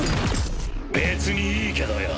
別にいいけどよぉ。